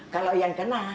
kalau yang kena